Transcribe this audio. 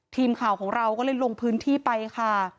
ทีมข่าวของเราก็เลยลงพื้นที่ไปค่ะ